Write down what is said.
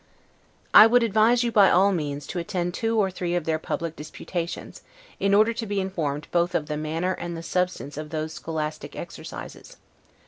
I would advise you, by all means, to attend to two or three of their public disputations, in order to be informed both of the manner and the substance of those scholastic exercises.